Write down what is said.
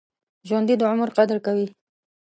ژوندي د عمر قدر کوي